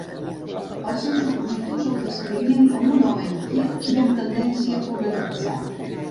Els seus opositors el descrivien com un home inquiet i amb tendència a polemitzar.